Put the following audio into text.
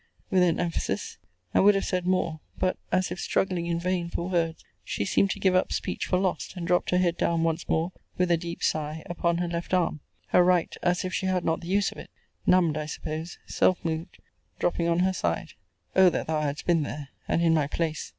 with an emphasis and would have said more; but, as if struggling in vain for words, she seemed to give up speech for lost, and dropped her head down once more, with a deep sigh, upon her left arm; her right, as if she had not the use of it (numbed, I suppose) self moved, dropping on her side. O that thou hadst been there! and in my place!